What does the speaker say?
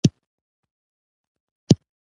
خوړل د تربور سره ښېګڼه کوي